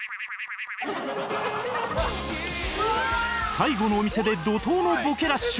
最後のお店で怒濤のボケラッシュ！